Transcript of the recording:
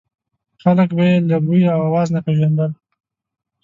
خلک به یې له بوی او اواز نه پېژندل.